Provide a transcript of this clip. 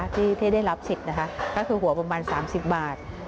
ที่ได้รับเสร็จนะคะก็คือหัวประมาณ๓๐บาท